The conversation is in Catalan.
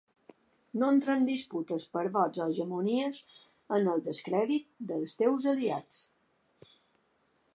No entrar en disputes per vots o hegemonies en el descrèdit dels teus aliats.